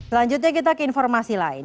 selanjutnya kita ke informasi lain